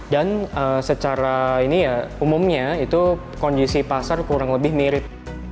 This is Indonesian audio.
dan secara ya ini umumnya itu kondisi pasar kurang lebih mirip